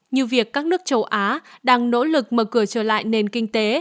như việc các nước châu á đang nỗ lực mở cửa trở lại nền kinh tế